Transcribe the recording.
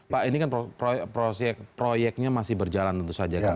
pak ini kan proyeknya masih berjalan tentu saja kan